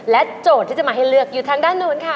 โจทย์ที่จะมาให้เลือกอยู่ทางด้านนู้นค่ะ